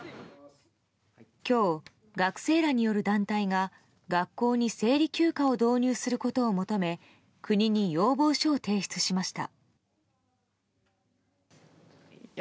今日、学生らによる団体が学校に生理休暇を導入することを求め国に要望書を提出しました。